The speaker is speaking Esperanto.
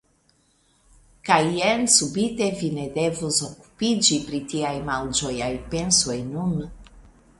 Kaj jen subite vi ne devus okupiĝi pri tiaj malĝojaj pensoj nun.